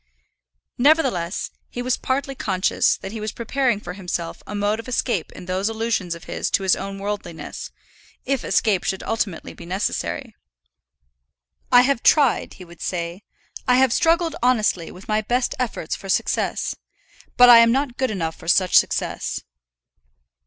Nevertheless, he was partly conscious that he was preparing for himself a mode of escape in those allusions of his to his own worldliness; if escape should ultimately be necessary. "I have tried," he would then say; "I have struggled honestly, with my best efforts for success; but I am not good enough for such success."